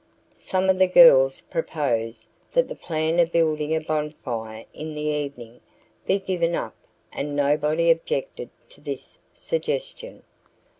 Some of the girls proposed that the plan of building a bonfire in the evening be given up and nobody objected to this suggestion.